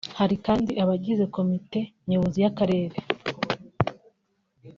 Hari kandi abagize Komite Nyobozi y’akarere